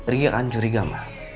ria akan curiga ma